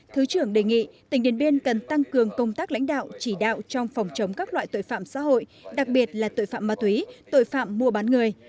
thứ trưởng đề nghị tỉnh điện biên cần tăng cường công tác lãnh đạo chỉ đạo trong phòng chống các loại tội phạm xã hội đặc biệt là tội phạm ma túy tội phạm mua bán người